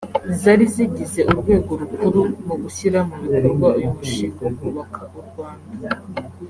Zari zigize urwego rukuru mu gushyira mu bikorwa uyu mushinga wo kubaka u Rwanda